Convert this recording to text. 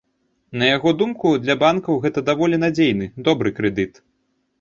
На яго думку, для банкаў гэта даволі надзейны, добры крэдыт.